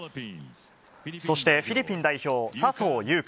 そしてフィリピン代表・笹生優花。